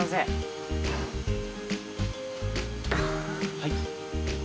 ・はい。